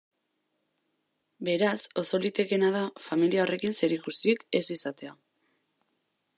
Beraz, oso litekeena da familia horrekin zerikusirik ez izatea.